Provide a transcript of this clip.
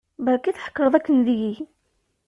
Berka i d-tḥekkreḍ akken deg-i.